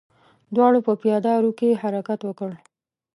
دواړو په پياده رو کې حرکت وکړ.